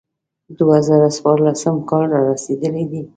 دوه زره څوارلسم کال را رسېدلی دی.